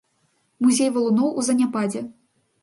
Музей валуноў у заняпадзе.